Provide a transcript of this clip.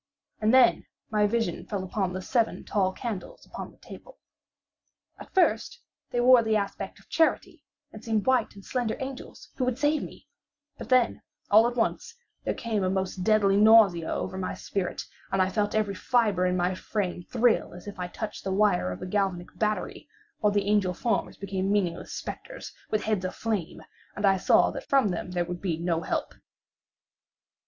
And then my vision fell upon the seven tall candles upon the table. At first they wore the aspect of charity, and seemed white and slender angels who would save me; but then, all at once, there came a most deadly nausea over my spirit, and I felt every fibre in my frame thrill as if I had touched the wire of a galvanic battery, while the angel forms became meaningless spectres, with heads of flame, and I saw that from them there would be no help.